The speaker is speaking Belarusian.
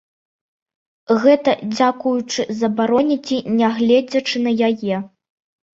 Гэта дзякуючы забароне ці нягледзячы на яе?